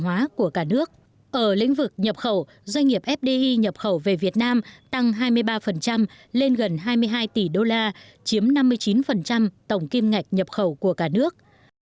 ở lĩnh vực nhập khẩu doanh nghiệp fdi nhập khẩu về việt nam tăng hai mươi ba lên gần hai mươi hai tỷ đô la chiếm năm mươi chín tổng kim ngạch nhập khẩu của cả nước